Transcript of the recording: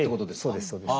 そうですそうです。